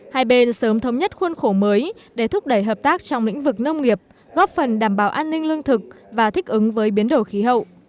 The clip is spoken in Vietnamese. hai bên sớm thống nhất khuôn khổ mới để thúc đẩy hợp tác trong lĩnh vực nông nghiệp góp phần đảm bảo an ninh lương thực và thích ứng với biến đổi khí hậu